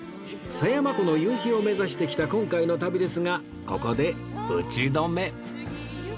狭山湖の夕日を目指してきた今回の旅ですがここで打ち止め